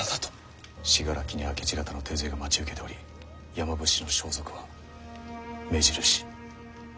信楽に明智方の手勢が待ち受けており山伏の装束は目印。